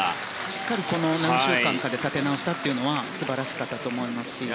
しっかり何週間かで立て直したのは素晴らしかったと思います。